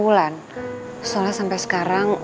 ulan soalnya sampe sekarang